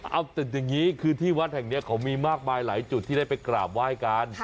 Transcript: เอาตึกอย่างนี้คือที่วัดแห่งนี้เขามีมากมายหลายจุดที่ได้ไปกราบไหว้กัน